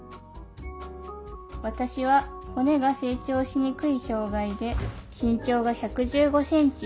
私は骨が成長しにくい障害で身長が１１５センチ。